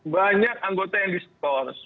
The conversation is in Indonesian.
banyak anggota yang distors